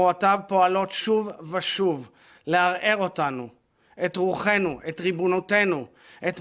ketua dan ketua kita dalam perang terhadap rumah dan kita akan menang